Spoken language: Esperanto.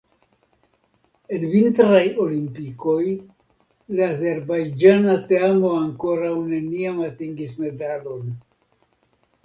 En Vintraj Olimpikoj la azerbajĝana teamo ankoraŭ neniam atingis medalon.